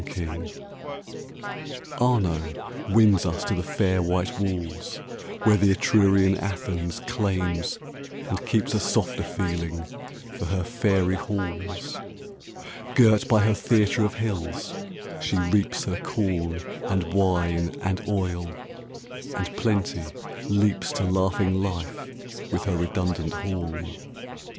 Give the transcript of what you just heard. FLORENCE Arno wins us to the fair white walls, Where the Etrurian Athens claims and keeps A softer feeling for her fairy halls. Girt by her theatre of hills, she reaps Her corn, and wine, and oil, and Plenty leaps 5 To laughing life, with her redundant horn.